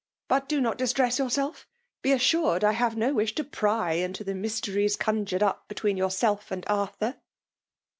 '' But do not distress yourself; be assured I have no wish to pry into the mys^ tcries conjured up between yourself and Ar thur."